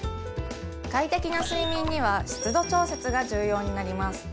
快適な睡眠には湿度調節が重要になります